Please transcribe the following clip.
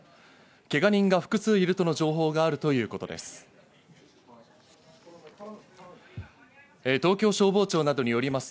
けが人が複数いるとの情報があるということです。